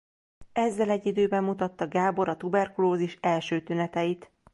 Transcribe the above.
Ezzel egy időben mutatta Gábor a tuberkulózis első tüneteit.